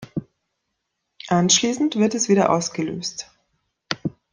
Anschließend wird es wieder ausgelöst.